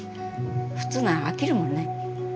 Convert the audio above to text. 普通なら飽きるもんね。